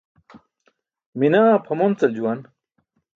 Minaa pʰamoncal juwan.